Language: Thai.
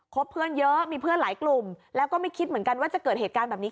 บเพื่อนเยอะมีเพื่อนหลายกลุ่มแล้วก็ไม่คิดเหมือนกันว่าจะเกิดเหตุการณ์แบบนี้